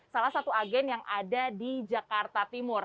salah satu agen yang ada di jakarta timur